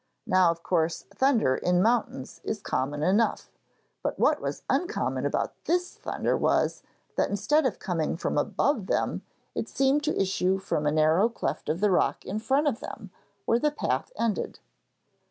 Now of course, thunder in mountains is common enough, but what was uncommon about this thunder was, that instead of coming from above them, it seemed to issue from a narrow cleft of the rock in front of them, where the path ended.